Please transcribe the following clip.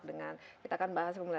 dengan kita kan bahas